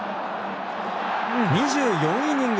２４イニング